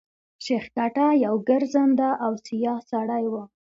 شېخ کټه يو ګرځنده او سیاح سړی وو.